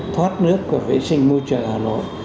thoát nước và vệ sinh môi trường hà nội